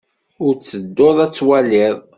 I tedduḍ ad twaliḍ?